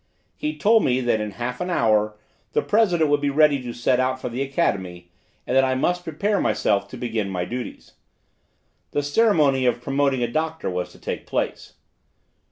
He told me that in half an hour the president would be ready to set out for the Academy, and that I must prepare myself to begin my duties. The ceremony of promoting a doctor was to take place.